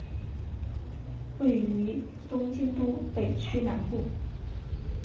位于东京都北区南部。